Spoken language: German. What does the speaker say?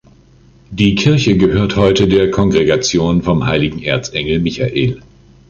Die Kirche gehört heute der Kongregation vom Heiligen Erzengel Michael.